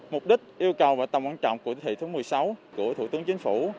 mục đích yêu cầu và tầm quan trọng của thủ tướng một mươi sáu của thủ tướng chính phủ